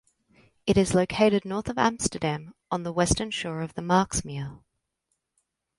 It is located north of Amsterdam, on the western shore of the Markermeer.